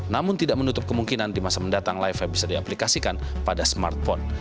namun tidak menutup kemungkinan di masa mendatang li fi bisa diaplikasikan pada smartphone